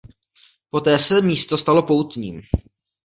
Poté se místo stalo poutním.